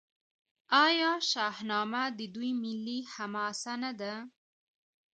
آیا شاهنامه د دوی ملي حماسه نه ده؟